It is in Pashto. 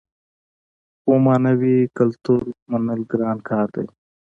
خو معنوي کلتور منل ګران کار دی.